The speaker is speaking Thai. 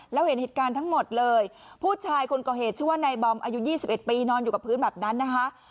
แล้วเห็นเหตุการณ์ทั้งหมดเลยผู้ชายคนก่อเหตุชื่อว่านายบอมอายุ๒๑ปีนอนอยู่กับพื้นแบบนั้นนะคะ